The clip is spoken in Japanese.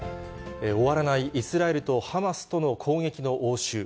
終わらないイスラエルとハマスとの攻撃の応酬。